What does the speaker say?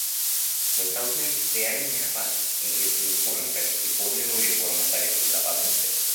Мы столкнемся с реальными опасностями, если не сможем провести подлинную реформу Совета Безопасности.